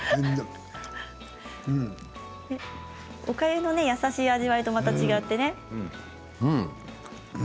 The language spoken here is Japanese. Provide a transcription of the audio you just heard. おかゆの優しい味わいとまた違ってね。